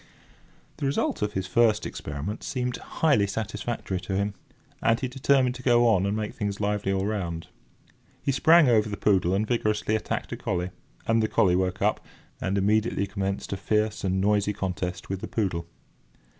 The result of his first experiment seemed highly satisfactory to him, and he determined to go on and make things lively all round. He sprang over the poodle and vigorously attacked a collie, and the collie woke up, and immediately commenced a fierce and noisy contest with the poodle.